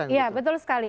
iya betul sekali